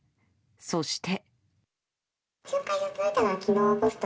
そして。